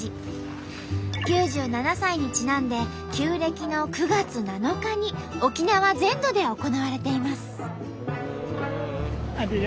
９７歳にちなんで旧暦の９月７日に沖縄全土で行われています。